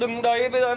đừng gọi công an